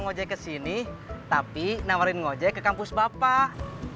ngode kesini tapi nawarin ngojek ke kampus bapak